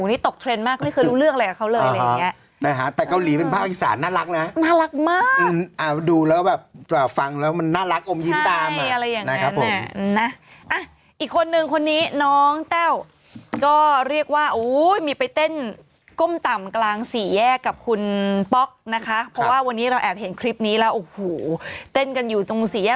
พี่เช้าเห็นดูแล้วนี่อันนี้เป็นแอปพลิเคชันอยู่ในมือถือ